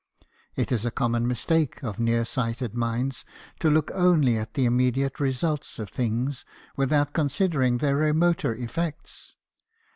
It is a com mon mistake of near sighted minds to look only at the immediate results of things, without considering their remoter effects.